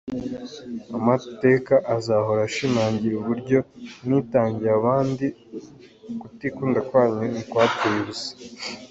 Amateka azahora ashimangira uburyo mwitangiye abandi; ukutikunda kwanyu ntikwapfuye ubusa.